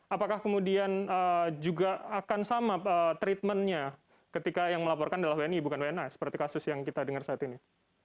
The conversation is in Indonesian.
apakah kemudian juga akan sama treatmentnya ketika yang melaporkan adalah wni bukan wna seperti kasus yang kita dengar saat ini